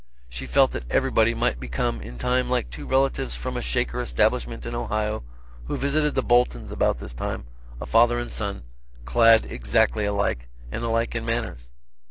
She felt that everybody might become in time like two relatives from a Shaker establishment in Ohio, who visited the Boltons about this time, a father and son, clad exactly alike, and alike in manners.